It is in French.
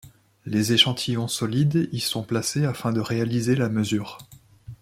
Les échantillons solides y sont placés afin de réaliser la mesure.